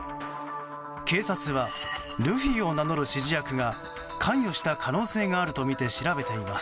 警察は、ルフィを名乗る指示役が関与した可能性があるとみて調べています。